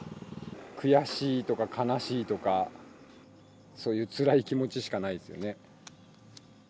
悔しいとか悲しいとか、そういうつらい気持ちしかないですよね。